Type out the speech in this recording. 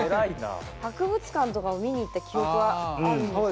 博物館とかも見に行った記憶はあるんですけど。